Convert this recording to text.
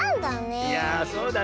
いやあそうだね。